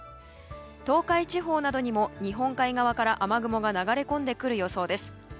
東海地方などにも日本海側から雨雲が流れ込んでくる予想です。